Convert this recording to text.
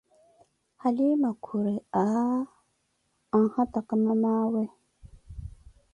Halima khuri aaa, anhataka mamawe